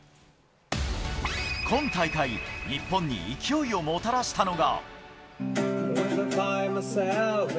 今大会、日本に勢いをもたらしたのが。